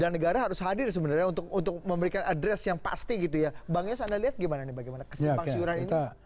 dan negara harus hadir sebenarnya untuk memberikan address yang pasti gitu ya bang yes anda lihat bagaimana kesimpang siuran ini